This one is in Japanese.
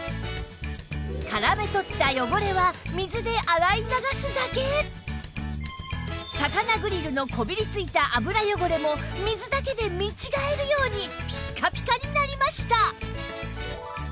絡め取った魚グリルのこびり付いた油汚れも水だけで見違えるようにピッカピカになりました！